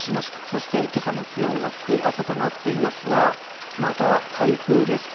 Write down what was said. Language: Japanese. そして今朝も気温が低い朝となっていますがまた台風です。